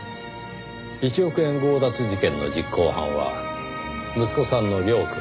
１億円強奪事件の実行犯は息子さんの涼くん。